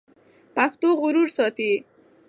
پښتو غرور ساتي.